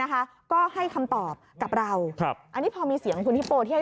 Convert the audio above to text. ก็ให้คำตอบกับเราอันนี้พอมีเสียงคุณฮิปโปที่ให้